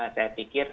saya pikir semestinya